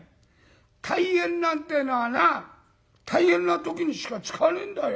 大変なんてえのはな大変な時にしか使わねえんだよ。